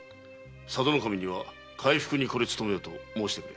佐渡守には回復にこれ努めよと申してくれ。